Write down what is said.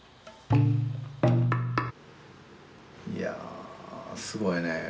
いやすごいね。